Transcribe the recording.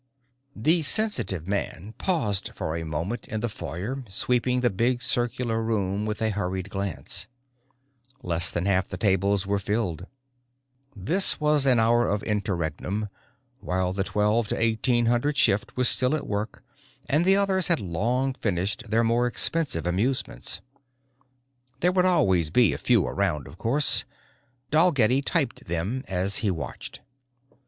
The sensitive man paused for a moment in the foyer, sweeping the big circular room with a hurried glance. Less than half the tables were filled. This was an hour of interregnum, while the twelve to eighteen hundred shift was still at work and the others had long finished their more expensive amusements. There would always be a few around, of course Dalgetty typed them as he watched.